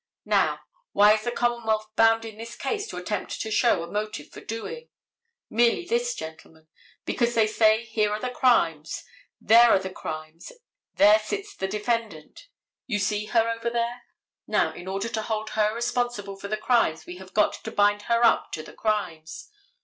Now, why is the commonwealth bound in this case to attempt to show a motive for doing? merely this, gentlemen, because they say here are the crimes—there are the crimes, there sits the defendant, you see her over there? Now, in order to hold her responsible for the crimes we have got to bind her up to the crimes.